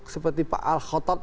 seperti pak al khotad